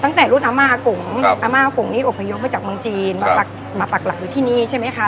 ตั้งแต่รุ่นอาม่าอากงอาม่ากงนี่อบพยพมาจากเมืองจีนมาปักหลักอยู่ที่นี่ใช่ไหมคะ